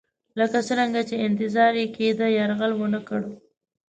لکه څرنګه چې انتظار یې کېدی یرغل ونه کړ.